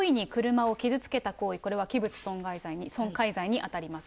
故意に車を傷つけた行為、これは器物損壊罪に当たります。